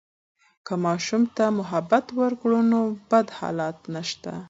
که ماشوم ته محبت وکړو، نو بد حالات نشته.